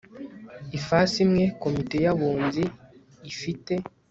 ifasi imwe komite y abunzi ifite